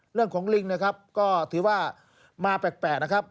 เรื่องของลิงก็ถือว่ามาแปลกนะครับ